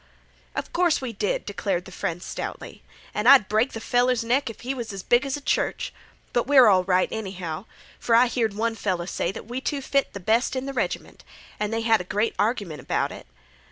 "Of course we did," declared the friend stoutly. "An' I'd break th' feller's neck if he was as big as a church. But we're all right, anyhow, for I heard one feller say that we two fit th' best in th' reg'ment, an' they had a great argument 'bout it.